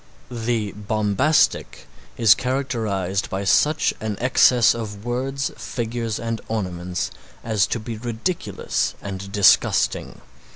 The bombastic is characterized by such an excess of words, figures and ornaments as to be ridiculous and disgusting.